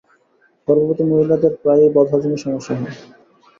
গর্ভবতী মহিলাদের প্রায়ই বদহজমের সমস্যা হয়।